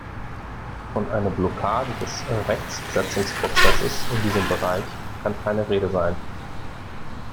Von einer Blockade des Rechtssetzungsprozesses in diesem Bereich kann keine Rede sein.